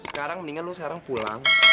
sekarang mendingan lu sekarang pulang